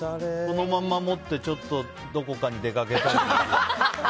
このまま持ってちょっとどこかに出かけたり。